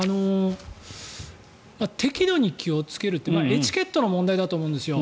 適度に気をつけるってエチケットの問題だと思うんですよ。